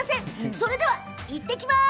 それでは行ってきます。